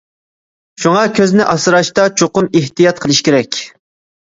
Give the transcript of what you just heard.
شۇڭا كۆزنى ئاسراشتا چوقۇم ئېھتىيات قىلىش كېرەك.